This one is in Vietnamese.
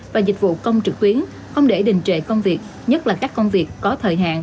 và dịch vụ công trực tuyến không để đình trệ công việc nhất là các công việc có thời hạn